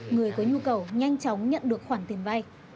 người có nhu cầu nhanh chóng nhận được khoản tiền vay